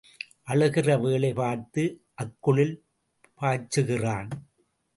அழுகிற வேளை பார்த்து அக்குளில் பாய்ச்சுகிறான்.